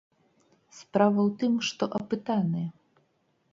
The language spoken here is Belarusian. Справа ў тым, што апытаныя.